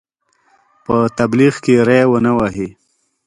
په تبلیغ کې ری ونه وهي.